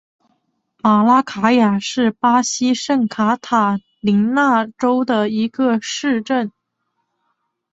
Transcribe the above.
马拉卡雅是巴西圣卡塔琳娜州的一个市镇。